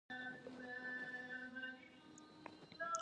نو د مرۍ هوائي لارې وچې وي